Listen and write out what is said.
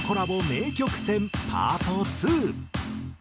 名曲選パート２。